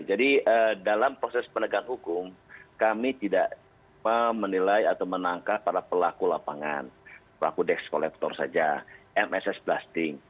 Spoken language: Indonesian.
jadi dalam proses penegakan hukum kami tidak menilai atau menangkap para pelaku lapangan pelaku desk kolektor saja mss plastik